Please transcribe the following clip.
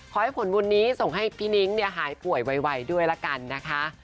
ขอให้ผลบุญนี้ส่งให้พี่นิ้งหายป่วยไวด้วยละกันนะคะ